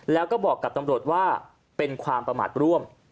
แล้วก็บอกกับตำรวจว่าเป็นความประมาทร่วม